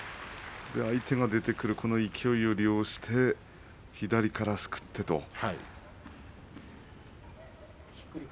相手が出てくるこの勢いを利用して左から、すくってと。